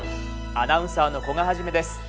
アナウンサーの古賀一です。